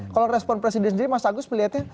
kalau respon presiden sendiri mas agus melihatnya